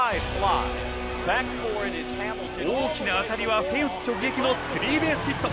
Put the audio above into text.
大きな当たりはフェンス直撃のスリーベースヒット！